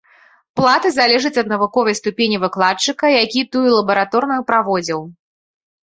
Плата залежыць ад навуковай ступені выкладчыка, які тую лабараторную праводзіў.